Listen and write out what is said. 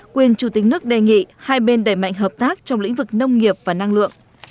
quyền chủ tịch nước đề nghị hai bên đẩy mạnh hợp tác trong lĩnh vực nông nghiệp và năng lượng